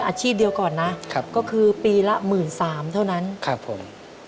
อาชีพเดียวก่อนนะครับก็คือปีละหมื่นสามเท่านั้นครับผม